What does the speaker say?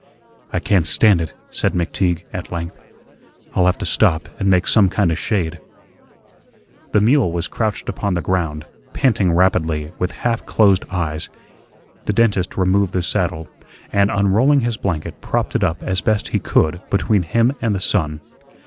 "I can't stand it," said McTeague at length. "I'll have to stop and make some kinda shade." The mule was crouched upon the ground, panting rapidly, with half closed eyes. The dentist removed the saddle, and unrolling his blanket, propped it up as best he could between him and the sun.